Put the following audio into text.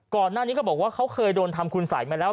ก่อนหน้านี้เขาบอกว่าเขาเคยโดนทำคุณสัยมาแล้ว